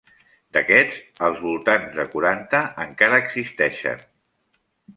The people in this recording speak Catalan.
D'aquests, als voltants de quaranta encara existeixen.